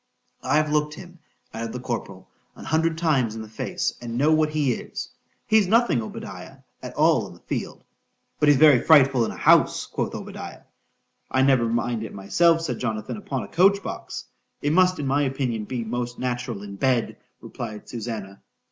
—I've look'd him, added the corporal, an hundred times in the face,—and know what he is.—He's nothing, Obadiah, at all in the field.—But he's very frightful in a house, quoth Obadiah.——I never mind it myself, said Jonathan, upon a coach box.—It must, in my opinion, be most natural in bed, replied _Susannah.